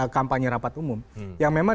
kampanye rapat umum yang memang